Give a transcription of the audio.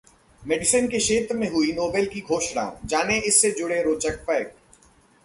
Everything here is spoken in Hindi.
मेडिसिन के क्षेत्र में हुई नोबेल की घोषणा, जानें इससे जुड़े रोचक फैक्ट